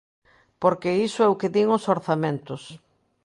Porque iso é o que din os orzamentos.